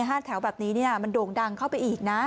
ห้าแถวแบบนี้เนี่ยมันโด่งดังเข้าไปอีกนะ